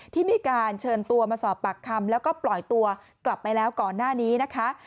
ที่มีการเชิญตัวมาสอบปากคำแล้วก็ปล่อยตัวกลับไปแล้วก่อนหน้านี้นะคะ